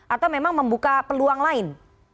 atau memang membuka peluang lain